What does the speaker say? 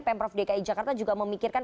pemprov dki jakarta juga memikirkan